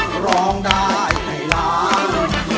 ก็ร้องได้ให้ร้าง